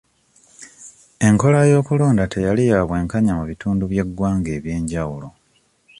Enkola y'okulonda teyali ya bwenkanya mu bitundu by'eggwanga eby'enjawulo.